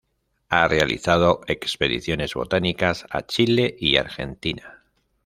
Ha realizado expediciones botánicas a Chile y Argentina.